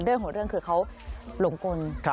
เรื่องของเรื่องคือเขาหลงกล